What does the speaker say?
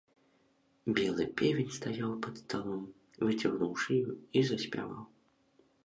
Белы певень стаяў пад сталом, выцягнуў шыю і заспяваў.